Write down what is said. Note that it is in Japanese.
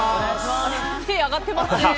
手、上がってますね。